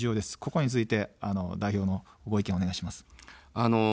ここについて代表のご意見をお願いします。